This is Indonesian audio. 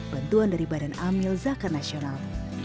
bantuan dari badan amil zakat nasional